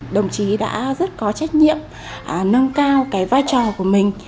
đồng chí đã rất có trách nhiệm nâng cao cái vai trò của mình